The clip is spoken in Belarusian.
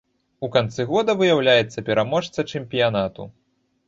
У канцы года выяўляецца пераможца чэмпіянату.